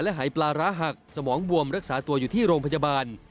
หายปลาร้าหักสมองบวมรักษาตัวอยู่ที่โรงพยาบาล